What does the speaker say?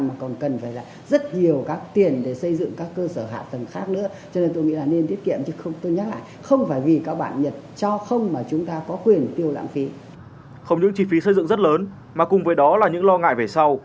mà cùng với đó là những lo ngại về sau